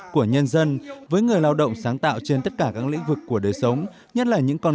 của nhân dân với người lao động sáng tạo trên tất cả các lĩnh vực của đời sống nhất là những con